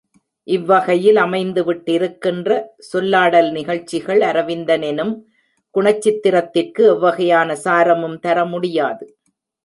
இவ்வகையில் அமைந்துவிட்டிருக்கின்ற சொல்லாடல் நிகழ்ச்சிகள் அரவிந்தன் எனும் குணச்சித்திரத்திற்கு எவ்வகையான சாரமும் தரமுடியாது.